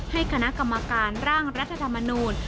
ให้คณะกรรมการร่างรัฐธรรมนูญ